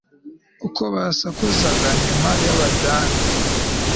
uko basakuzaga inyuma y'abadani